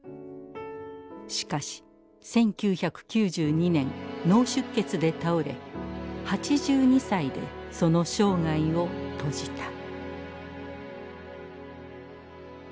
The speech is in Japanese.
しかし１９９２年脳出血で倒れ８２歳でその生涯を閉じた。